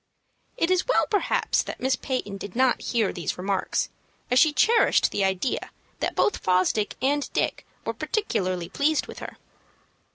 It is well perhaps that Miss Peyton did not hear these remarks, as she cherished the idea that both Fosdick and Dick were particularly pleased with her.